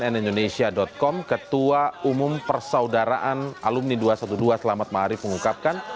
dari cnn indonesia com ketua umum persaudaraan alumni dua ratus dua belas selamat mahari pengungkapkan